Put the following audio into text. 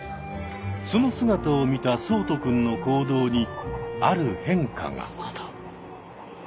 その姿を見た聡人くんの行動にある変化が。